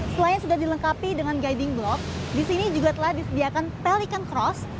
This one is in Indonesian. selain sudah dilengkapi dengan guiding block disini juga telah disediakan pelikan cross